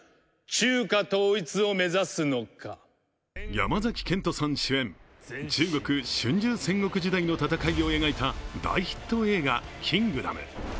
山崎賢人さん主演、中国春秋時代の戦いを描いた大ヒット映画「キングダム」。